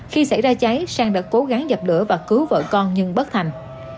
khi xảy ra cháy sang đã cố gắng dập lửa và cứu vợ con nhưng bất thành